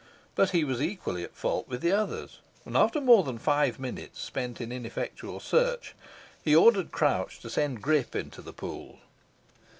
But he was equally at fault with the others, and after more than five minutes spent in ineffectual search, he ordered Crouch to send Grip into the pool.